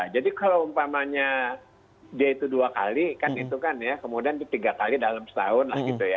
jadi kalau umpamanya dia itu dua kali kan itu kan ya kemudian di tiga kali dalam setahun lah gitu ya